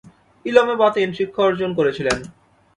ইলমে বাতিন শিক্ষা অর্জন করেছিলেন ।